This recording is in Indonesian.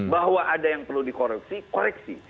bahwa ada yang perlu dikoreksi koreksi